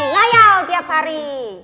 ngayau tiap hari